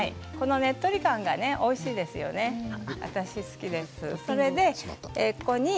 ねっとり感がおいしいですよね、私好きです。